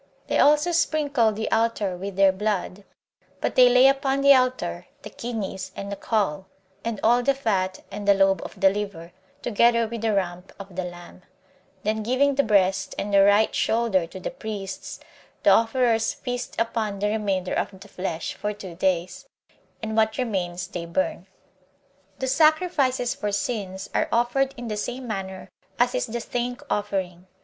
They also sprinkle the altar with their blood; but they lay upon the altar the kidneys and the caul, and all the fat, and the lobe of the liver, together with the rump of the lamb; then, giving the breast and the right shoulder to the priests, the offerers feast upon the remainder of the flesh for two days; and what remains they burn. 3. The sacrifices for sins are offered in the same manner as is the thank offering.